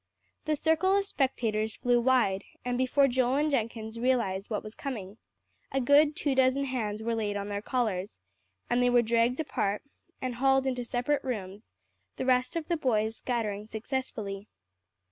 The circle of spectators flew wide, and before Joel and Jenkins realized what was coming, a good two dozen hands were laid on their collars, and they were dragged apart, and hauled into separate rooms, the rest of the boys scattering successfully.